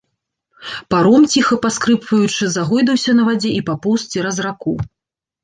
Паром, ціха паскрыпваючы, загойдаўся на вадзе і папоўз цераз раку.